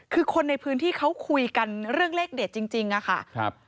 คือคนในพื้นที่เขาคุยกันเรื่องเลขเด็ดจริงอะค่ะ